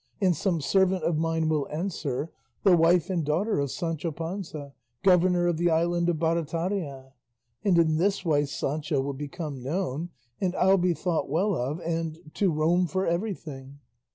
and some servant of mine will answer, "The wife and daughter of Sancho Panza, governor of the island of Barataria;" and in this way Sancho will become known, and I'll be thought well of, and "to Rome for everything."